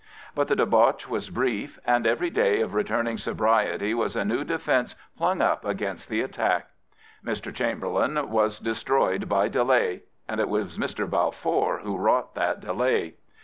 But the debauch was brief, and every day of returning sobriety was a new defence flung up against the attack. Mr. Chamberlain was destroyed «7 Prophets, Priests, and Kings by delay. And it was Mr. Balfour who wrought that delay.